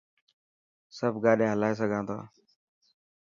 سب گاڏي هلائي سگهان ٿا.